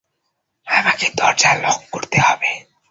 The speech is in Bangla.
আমাকে দরজা লক করতে হবে।